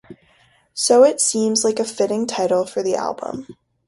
So it seemed like a fitting title for the album.